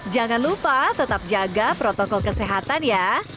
jangan lupa tetap jaga protokol kesehatan ya